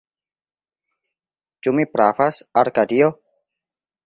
Ĉu mi pravas, Arkadio?